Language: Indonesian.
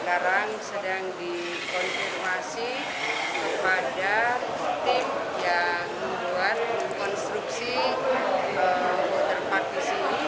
sekarang sedang dikonfirmasi kepada tim yang membuat konstruksi waterpark di sini